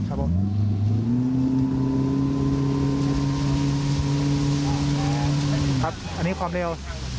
อันนี้ความเร็ว